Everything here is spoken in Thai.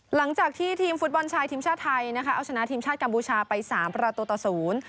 หลังจากที่ทีมฟุตบอลชายทีมชาติไทยนะคะเอาชนะทีมชาติกัมพูชาไปสามประตูต่อศูนย์